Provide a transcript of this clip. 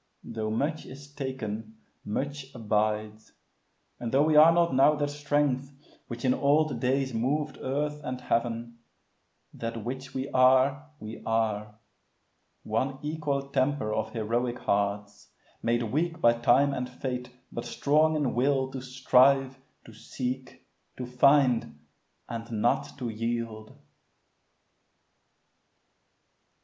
Tho' much is taken, much abides; and tho' We are not now that strength which in old days Moved earth and heaven, that which we are, we are, One equal temper of heroic hearts, Made weak by time and fate, but strong in will To strive, to seek, to find, and not to yield.